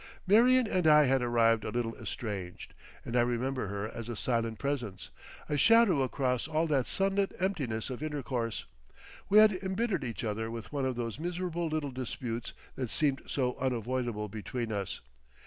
Marion and I had arrived a little estranged, and I remember her as a silent presence, a shadow across all that sunlit emptiness of intercourse. We had embittered each other with one of those miserable little disputes that seemed so unavoidable between us.